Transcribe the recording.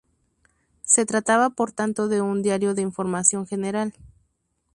Se trataba por tanto de un diario de información general.